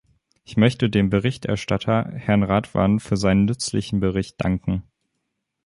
Ich möchte dem Berichterstatter, Herrn Radwan, für seinen nützlichen Bericht danken.